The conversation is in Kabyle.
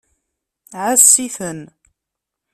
Ɛass-iten.